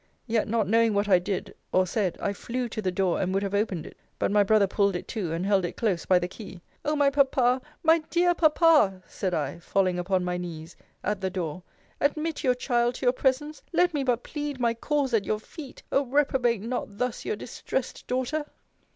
Yet, not knowing what I did, or said, I flew to the door, and would have opened it: but my brother pulled it to, and held it close by the key O my Papa! my dear Papa! said I, falling upon my knees, at the door admit your child to your presence! Let me but plead my cause at your feet! Oh! reprobate not thus your distressed daughter!